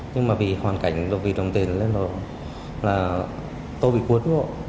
nhưng mà vì hoàn cảnh vì đồng tiền lên rồi là tôi bị cuốn